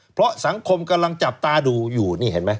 เพราะสังคมกำลังจับตาดูอยู่นี่เห็นไหม